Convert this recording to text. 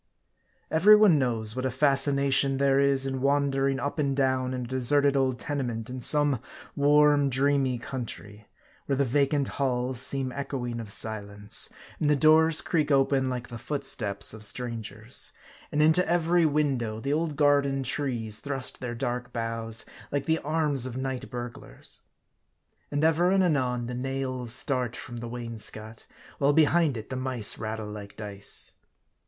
EVERY one knows what a fascination there is in wander ing up and down in a deserted old tenement in some warm, dreamy country; where the vacant halls seem echoing of silence, and the doors creak open like the footsteps of stran gers ; and into every window the old garden trees thrust their dark boughs, like the arms of night burglars ; and ever and anon the nails start from the wainscot ; while behind it the mice rattle like dice.